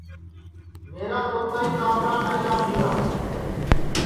میرا توتائی کاپڑا نائی لابھی را